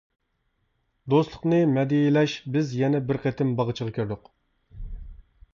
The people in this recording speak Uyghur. دوستلۇقنى مەدھىيەلەش بىز يەنە بىر قېتىم باغچىغا كىردۇق.